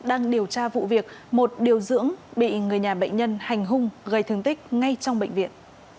đang điều tra vụ việc một điều dưỡng bị người nhà bệnh nhân hành hung gây thương tích ngay trong bệnh viện